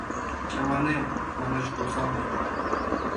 — Чаманем, - манеш Русанов.